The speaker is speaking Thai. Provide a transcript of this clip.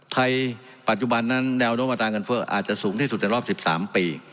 ปัจจุบันนั้นแนวโน้มมาตราเงินเฟ้ออาจจะสูงที่สุดในรอบ๑๓ปี